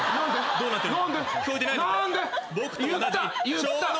どうなってるんだ。